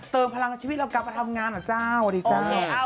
เติมพลังชีวิตแล้วกลับมาทำงานโดยเจ้าสวัสดีเจ้า